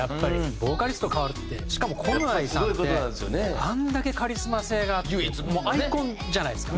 ボーカリスト代わるってしかもコムアイさんってあんだけカリスマ性があってもうアイコンじゃないですか。